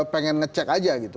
pengen ngecek aja gitu